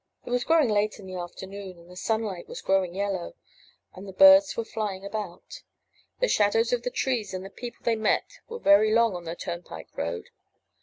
It was growing late in the afternoon, and the sunlight was growing yellow, and the birds were flying about; the shadows of the trees and of the people they met were very long on the turnpike road.